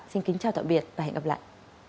xin kính chào tạm biệt và hẹn gặp lại